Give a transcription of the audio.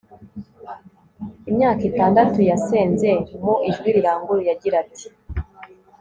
imyaka itandatu yasenze mu ijwi riranguruye agira ati